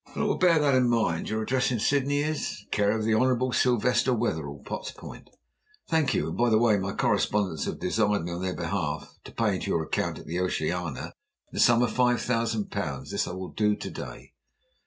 "I will bear that in mind. And your address in Sydney is " "Care of the Honourable Sylvester Wetherell, Potts Point." "Thank you. And, by the way, my correspondents have desired me on their behalf to pay in to your account at the Oceania the sum of five thousand pounds. This I will do to day."